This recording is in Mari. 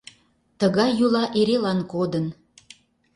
Тыгай йӱла эрелан кодын —